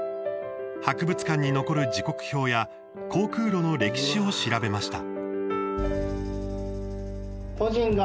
博物館に残る時刻表や航空路の歴史を調べました。